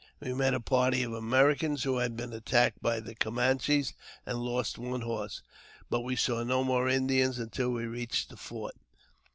We met a party of Americans who had been attacked by the Camanches, and lost one horse, but we saw no more Indians until we reached the fort.